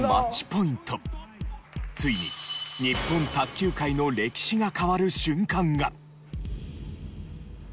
ついに日本卓球界の歴史が変わる瞬間が。